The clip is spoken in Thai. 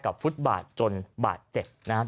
กับฟุตบาทจนบาทเจ็ดนะครับ